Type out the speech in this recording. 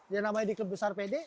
yang namanya di klub besar pd